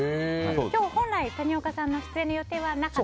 今日、本来谷岡さんの出演の予定はなかった。